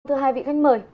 thưa hai vị khách mời